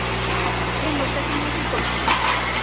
এই লোকটাকে নিয়ে কী করছ?